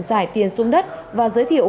giải tiền xuống đất và giới thiệu